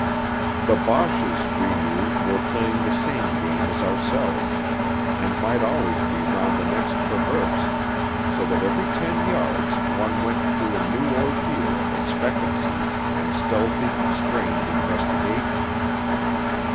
The Boches, we knew, were playing the same game as ourselves, and might always be round the next traverse, so that every ten yards one went through a new ordeal of expectancy and stealthy, strained investigation.